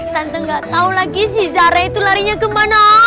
tante gak tau lagi si zara itu larinya kemana